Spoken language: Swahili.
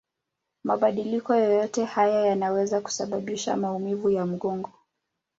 Mabadiliko yoyote haya yanaweza kusababisha maumivu ya mgongo.